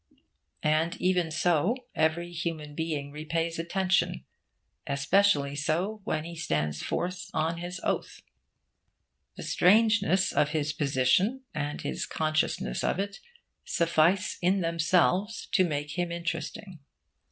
And, even so, every human being repays attention especially so when he stands forth on his oath. The strangeness of his position, and his consciousness of it, suffice in themselves to make him interesting.